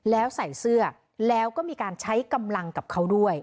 แล้วใส่เสื้อแล้วก็มีการใช้กำลังกับเขาด้วย